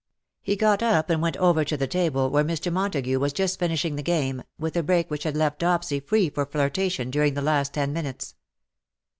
He got up and went over to the table, where Mr. Montagu was just finishing the game, with a break which had left Dopsy free for flirtation during the last ten minutes.